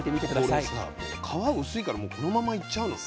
これさ皮薄いからもうこのままいっちゃうのね。